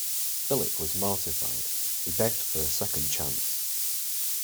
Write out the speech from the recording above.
Philip was mortified. He begged for a second chance.